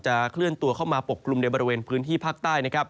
เคลื่อนตัวเข้ามาปกกลุ่มในบริเวณพื้นที่ภาคใต้นะครับ